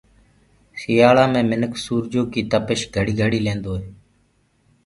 سيآݪآ مي منک سورجو ڪي تپش گھڙي گھڙي ليندوئي۔